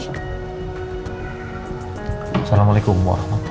assalamualaikum warahmatullahi wabarakatuh